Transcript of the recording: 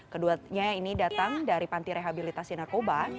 keduanya ini datang dari panti rehabilitasi narkoba